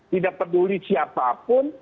tidak peduli siapapun